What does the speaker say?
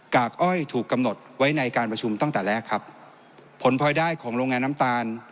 กอ้อยถูกกำหนดไว้ในการประชุมตั้งแต่แรกครับผลพลอยได้ของโรงงานน้ำตาล